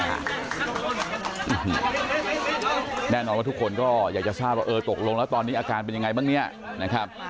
แน่นอนว่าทุกคนก็อยากจะทราบว่าเออตกลงแล้วตอนนี้อาการเป็นยังไงบ้างเนี่ยนะครับ